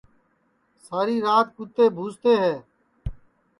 ساری رات کُتے بھوکتے ہے